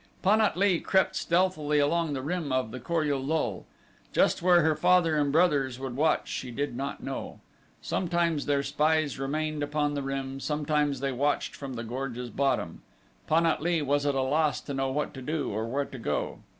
Pan at lee crept stealthily along the rim of the Kor ul lul. Just where her father and brothers would watch she did not know. Sometimes their spies remained upon the rim, sometimes they watched from the gorge's bottom. Pan at lee was at a loss to know what to do or where to go.